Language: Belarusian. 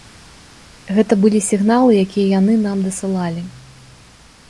Гэта былі сігналы, якія яны нам дасылалі.